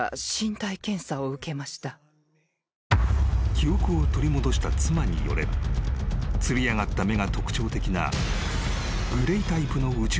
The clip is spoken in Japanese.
［記憶を取り戻した妻によればつり上がった目が特徴的な］